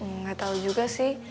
nggak tau juga sih